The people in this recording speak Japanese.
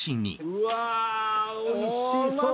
うわーおいしそう！